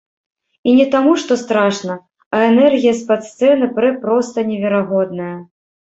І не таму, што страшна, а энергія з-пад сцэны прэ проста неверагодная!